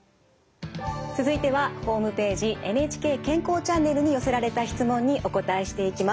続いてはホームページ「ＮＨＫ健康チャンネル」に寄せられた質問にお答えしていきます。